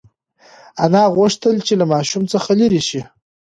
انا غوښتل چې له ماشوم څخه لرې شي.